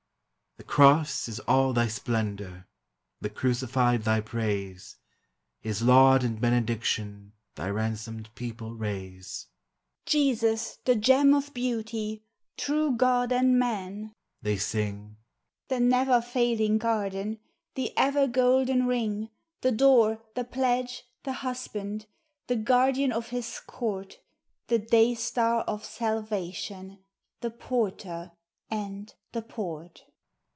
The Cross is all thy splendor, The Crucified thy praise; 420 THE HIGHER LIFE. His laud and benediction Thy ransomed people raise :" Jesus, the gem of Beauty, True God and Man," they sing, " The never failing Garden, The ever golden Ring; The Door, the Pledge, the Husband, The Guardian of his Court; The Day star of Salvation, The Porter and the Port